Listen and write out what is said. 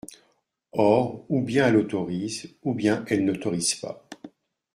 Or ou bien elle autorise, ou bien elle n’autorise pas.